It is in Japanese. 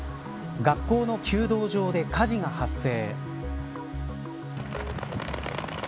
学校の弓道場で火事が発生。